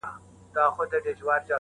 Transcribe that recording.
وربــاندي نــه وركوم ځــان مــلــگــرو.